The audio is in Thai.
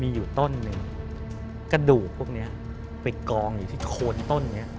มีอยู่ต้นหนึ่งกระดูกพวกนี้ไปกองอยู่ที่โคนต้นนี้